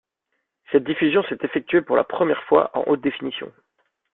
Cette diffusion s'est effectuée, pour la première fois, en haute définition.